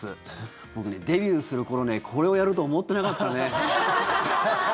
僕ね、デビューする頃ねこれをやると思ってなかったね。